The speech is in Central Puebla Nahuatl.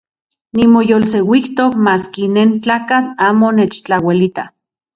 Nimoyolseuijtok maski nentlakatl uan nechtlauelita.